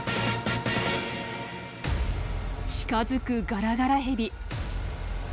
近づくガラガラヘビ。